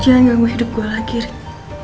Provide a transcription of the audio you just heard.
jangan ganggu hidup gue lagi deh